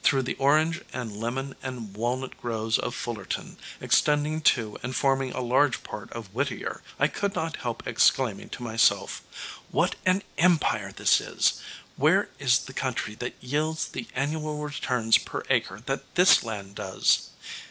Through the orange and lemon and walnut groves of Fullerton, extending to and forming a large part of Whittier, I could not help exclaiming to myself, "What an empire this is! Where is the country that yields the annual returns per acre that this land does?"